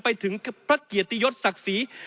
ไปถึงพระเกียรติยศศักดิ์ศรี